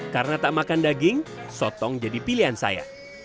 karena tak makan daging sotong jadi pilihan saya